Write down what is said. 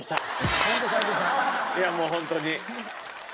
いやもうホントに。